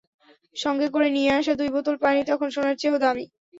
সঙ্গে করে নিয়ে আসা দুই বোতল পানি তখন সোনার চেয়েও দামি।